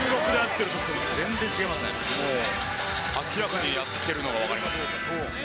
明らかにやってるのが分かります。